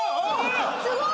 すごい！